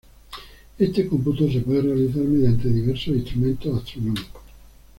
Este cómputo se puede realizar mediante diversos instrumentos astronómicos.